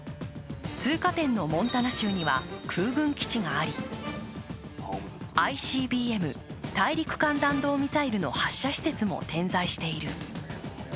通過点のモンタナ州には空軍基地があり、ＩＣＢＭ＝大陸間弾道ミサイルの発射施設も点在している。